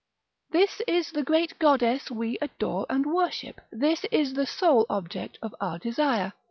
This is the great goddess we adore and worship; this is the sole object of our desire.